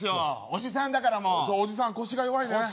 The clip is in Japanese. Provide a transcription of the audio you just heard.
おじさんだからもうそうおじさん腰が弱いね